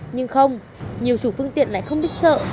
nhưng không nhiều chủ phương tiện lại không biết sợ